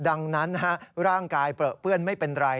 ดังนั้นร่างกายเปลือเปื้อนไม่เป็นไร